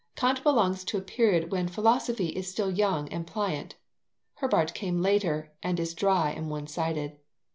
Kant belongs to a period when philosophy is still young and pliant. Herbart came later, and is dry and one sided.